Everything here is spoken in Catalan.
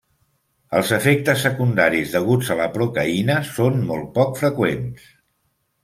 Els efectes secundaris deguts a la procaïna són molt poc freqüents.